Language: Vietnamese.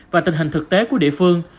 và tình hình thực tế của địa phương